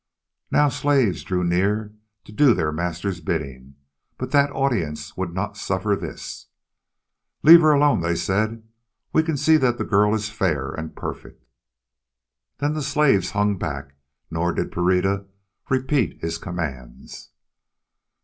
Now slaves drew near to do their master's bidding, but that audience would not suffer this. "Leave her alone," they said; "we can see that the girl is fair and perfect." Then the slaves hung back, nor did Pereira repeat his commands.